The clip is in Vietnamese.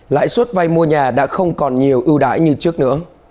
lãi suất vay mua nhà đã không còn nhiều ưu đãi như trước nữa